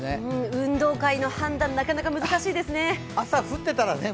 運動会の判断、なかなか難しいですね。